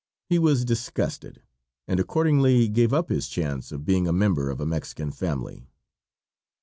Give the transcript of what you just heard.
He was disgusted, and accordingly gave up his chance of being a member of a Mexican family.